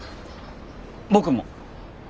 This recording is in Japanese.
僕も。